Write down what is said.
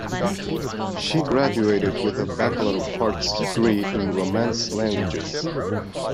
She graduated with a bachelor of arts degree in Romance languages.